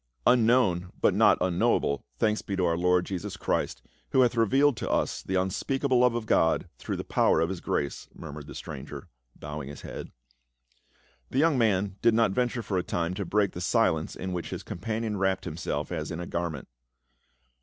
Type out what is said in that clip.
"Unknown but not unknowable, thanks be to our Lord Jesus Christ, who hath revealed to us the un speakable love of God through the power of his grace," murmured the stranger, bowing his head. The young man did not venture for a time to break the silence in which his companion wrapped himself as in a garment.